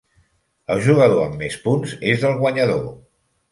El jugador amb més punts és el guanyador.